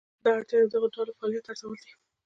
دا اړتیا د دغو ډلو فعالیت ارزول دي.